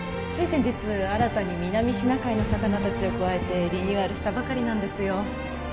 つい先日新たに南シナ海の魚達を加えてリニューアルしたばかりなんですよ